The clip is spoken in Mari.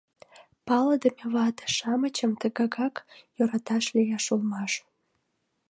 Палыдыме вате-шамычым тыгакат йӧраташ лиеш улмаш.